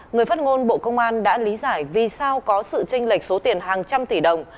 người phát ngôn bộ công an đã lý giải vì sao có sự tranh lệch số tiền hàng trăm tỷ đồng